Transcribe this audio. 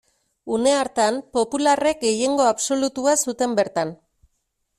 Une hartan, popularrek gehiengo absolutua zuten bertan.